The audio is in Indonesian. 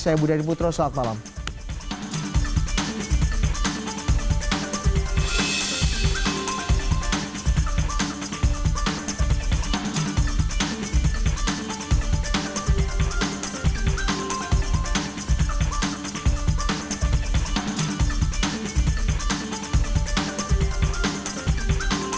saya budi adiputro selamat malam